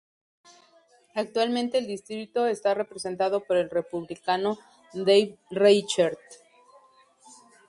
Actualmente el distrito está representado por el Republicano Dave Reichert.